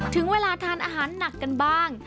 ถึงเวลาทานอาหารหนักกันบ้าง